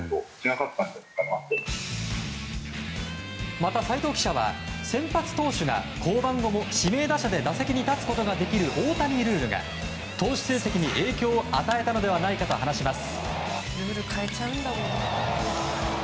また斎藤記者は先発投手が降板後も指名打者で打席に立つことができる大谷ルールが投手成績に影響を与えたのではないかと話します。